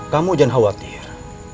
kamu jangan khawatir